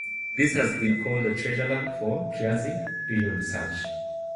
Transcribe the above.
This has been called a treasure land for Triassic Period research.